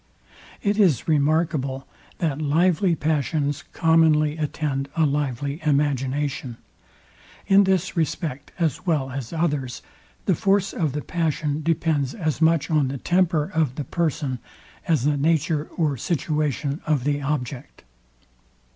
It is remarkable, that lively passions commonly attend a lively imagination. In this respect, as well as others, the force of the passion depends as much on the temper of the person, as the nature or situation of the object.